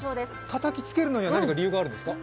たたきつけるのには何か理由があるんですか。